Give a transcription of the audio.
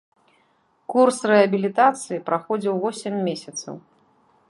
Курс рэабілітацыі праходзіў восем месяцаў.